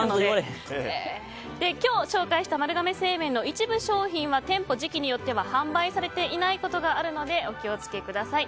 今日紹介した丸亀製麺の一部商品は店舗、時期によっては販売されていないことがあるのでお気をつけください。